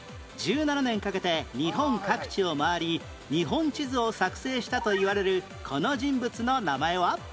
１７年かけて日本各地を回り日本地図を作成したといわれるこの人物の名前は？